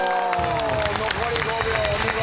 残り５秒お見事。